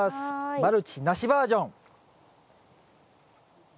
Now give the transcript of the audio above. マルチなしバージョン。